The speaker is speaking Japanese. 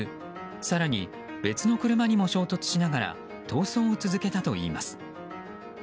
更に別の車にも衝突しながら逃走を続けたといいます。